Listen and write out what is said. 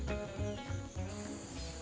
pembelian dari rumah itu sudah selesai